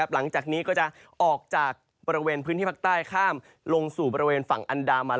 หลังจากนี้ก็จะออกจากบริเวณพื้นที่ภาคใต้ข้ามลงสู่บริเวณฝั่งอันดามัน